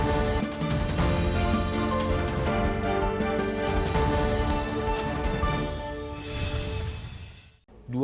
jokowi sudah menjalankan pemerintah di jokowi